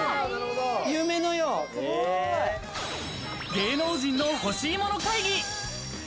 芸能人の欲しいもの会議。